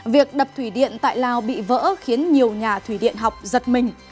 việc đập thủy điện tại lào bị vỡ khiến nhiều nhà thủy điện học giật mình